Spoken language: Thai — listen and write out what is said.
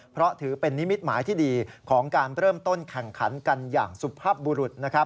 เพราะถือเป็นนิมิตหมายที่ดีของการเริ่มต้นแข่งขันกันอย่างสุภาพบุรุษ